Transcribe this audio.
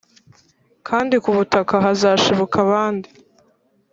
kandi ku butaka hazashibuka abandi